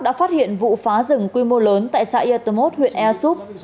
đã phát hiện vụ phá rừng quy mô lớn tại xã yatomot huyện easup